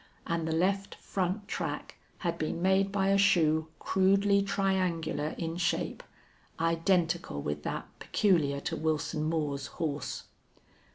And the left front track had been made by a shoe crudely triangular in shape, identical with that peculiar to Wilson Moore's horse.